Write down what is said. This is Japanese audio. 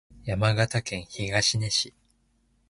山形県東根市